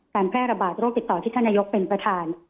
แพร่ระบาดโรคติดต่อที่ท่านนายกเป็นประธาน